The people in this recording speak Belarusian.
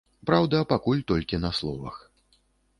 Праўда, пакуль толькі на словах.